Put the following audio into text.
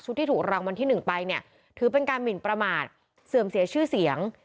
ที่ถูกรางวัลที่๑ไปเนี่ยถือเป็นการหมินประมาทเสื่อมเสียชื่อเสียง